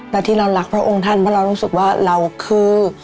แต่ที่เรารักพระองค์ท่านเพราะเรารู้สึกว่าเราคือ